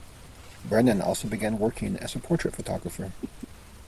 Brennan also began working as a portrait photographer.